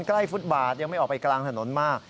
ฟุตบาทยังไม่ออกไปกลางถนนมาก